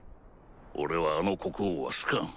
俺はあの国王は好かん。